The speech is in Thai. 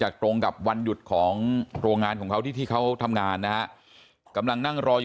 จากตรงกับวันหยุดของโรงงานของเขาที่ทำงานกำลังนั่งรอ